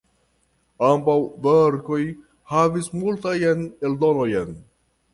Ambaŭ verkoj havis multajn eldonojn.